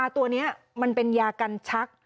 ตัวนี้มันเป็นยากันชัก